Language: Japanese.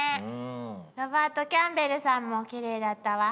ロバート・キャンベルさんもきれいだったわ。